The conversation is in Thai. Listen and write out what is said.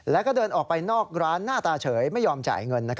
แล้วก็เดินออกไปนอกร้านหน้าตาเฉยไม่ยอมจ่ายเงิน